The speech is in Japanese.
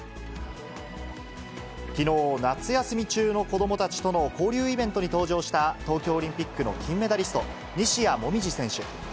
きのう、夏休み中の子どもたちとの交流イベントに登場した、東京オリンピックの金メダリスト、西矢椛選手。